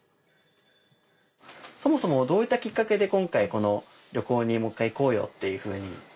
そもそもどういったきっかけで今回旅行にもう１回行こうよっていうふうに？